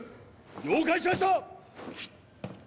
了解しました！